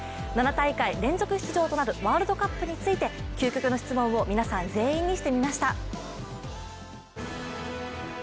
７大会連続出場となるワールドカップについて究極の質問を皆さん全員にしてみました。